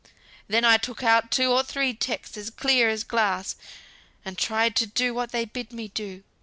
Then I took out two or three texts as clear as glass, and I tried to do what they bid me do.